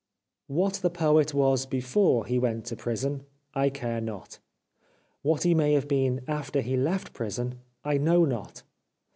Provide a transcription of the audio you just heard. What the Poet was before he went to prison I care not. What he may have been after he left prison I know not.